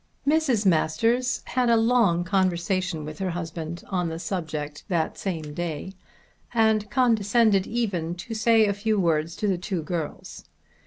Mrs. Masters had a long conversation with her husband on the subject that same day, and condescended even to say a few words to the two girls.